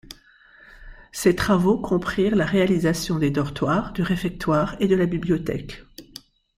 Ces travaux comprirent la réalisation des dortoirs, du réfectoire et de la bibliothèque.